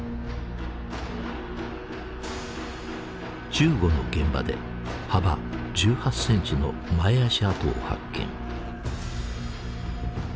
１５の現場で幅１８センチの前足跡を発見。